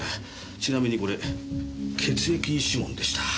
ちなみにこれ血液指紋でした。